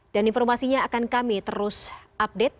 dan informasinya akan kami terus update